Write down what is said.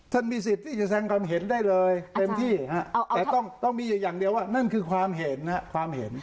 มีสิทธิ์ที่จะแสดงความเห็นได้เลยเต็มที่แต่ต้องมีอยู่อย่างเดียวว่านั่นคือความเห็นความเห็น